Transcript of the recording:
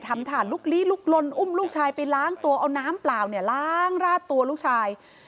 ฐานลุกลี้ลุกลนอุ้มลูกชายไปล้างตัวเอาน้ำเปล่าเนี่ยล้างราดตัวลูกชาย